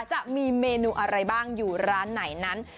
จะมีเมนูอะไรบ้างอยู่ร้านไหนนั้น